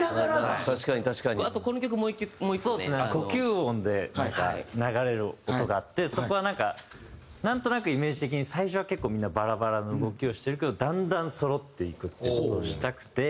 呼吸音でなんか流れる音があってそこはなんかなんとなくイメージ的に最初は結構みんなバラバラの動きをしてるけどだんだんそろっていくっていう事をしたくて。